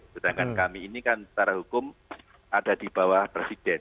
sedangkan kami ini kan secara hukum ada di bawah presiden